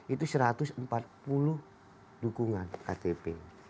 itu satu ratus empat puluh dukungan ktp